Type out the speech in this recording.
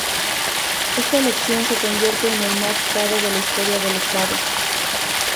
Esta elección se convierte en el más caro de la historia del estado.